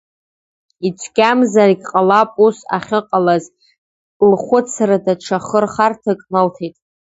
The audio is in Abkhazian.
Ицәгьамзаргь ҟалап ус ахьыҟалаз, лхәыцра даҽа хырхарҭак налҭеит…